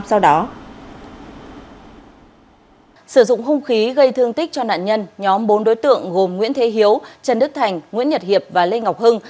sau đó sử dụng hung khí gây thương tích cho nạn nhân nhóm bốn đối tượng gồm nguyễn thế hiếu trần đức thành nguyễn nhật hiệp và lê ngọc hưng